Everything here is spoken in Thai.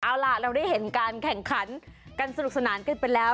เอาล่ะเราได้เห็นการแข่งขันกันสนุกสนานกันไปแล้ว